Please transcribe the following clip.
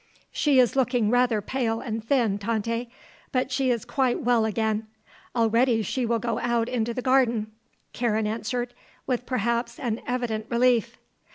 "She is looking rather pale and thin, Tante; but she is quite well again; already she will go out into the garden," Karen answered, with, perhaps, an evident relief.